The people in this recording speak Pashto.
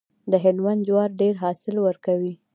د هلمند جوار ډیر حاصل ورکوي.